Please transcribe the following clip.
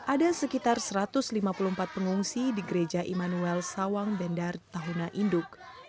ada sekitar satu ratus lima puluh empat pengungsi di gereja immanuel sawang bendar tahuna induk